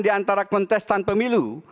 di antara kontestan pemilu